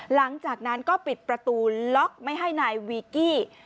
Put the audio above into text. หลังจากนั้นก็ปิดประตูล็อกไม่ให้นายวีกี้